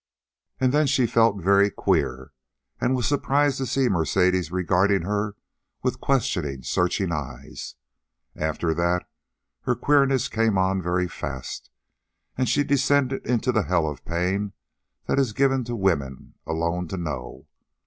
And then she felt very queer, and was surprised to see Mercedes regarding her with questioning, searching eyes. After that her queerness came on very fast, and she descended into the hell of pain that is given to women alone to know.